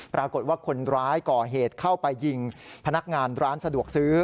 ปรากฏว่าคนร้ายก่อเหตุเข้าไปยิงพนักงานร้านสะดวกซื้อ